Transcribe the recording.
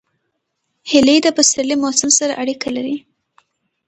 هیلۍ د پسرلي موسم سره اړیکه لري